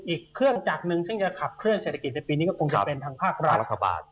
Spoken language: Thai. อีกเครื่องจักรหนึ่งซึ่งจะขับเคลื่อเศรษฐกิจในปีนี้ก็คงจะเป็นทางภาครัฐ